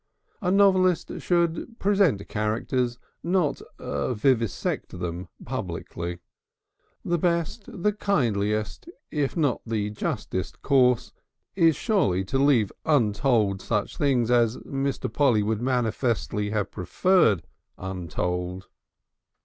A novelist should present characters, not vivisect them publicly.... The best, the kindliest, if not the justest course is surely to leave untold such things as Mr. Polly would manifestly have preferred untold.